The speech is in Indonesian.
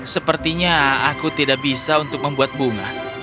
sepertinya aku tidak bisa untuk membuat bunga